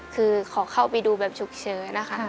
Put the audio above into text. คือขอเข้าไปดูแบบฉุกเฉินนะคะ